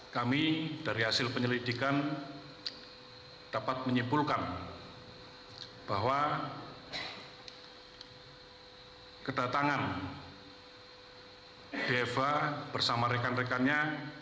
kami dari hasil penyelidikan dapat menyimpulkan bahwa kedatangan dva bersama rekan rekannya